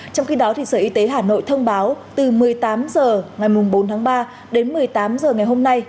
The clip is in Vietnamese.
trong khi đó sở y tế hà nội thông báo từ một mươi tám h ngày bốn tháng ba đến một mươi tám h ngày hôm nay